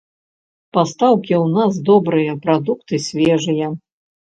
Пастаўкі ў нас добрыя, прадукты свежыя.